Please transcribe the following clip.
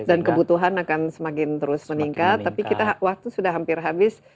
dan kebutuhan akan semakin terus meningkat tapi kita waktu sudah hampir habis